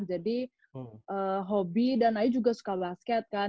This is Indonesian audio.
jadi hobi dan ayu juga suka basket kan